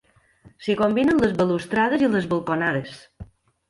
S'hi combinen les balustrades i les balconades.